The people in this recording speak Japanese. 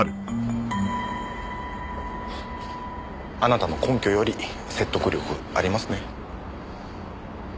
あなたの根拠より説得力ありますね。